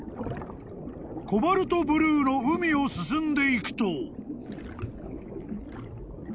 ［コバルトブルーの海を進んでいくと］